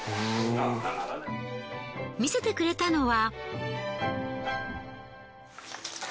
見せてくれたのは。